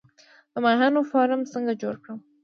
د ماهیانو فارم څنګه جوړ کړم؟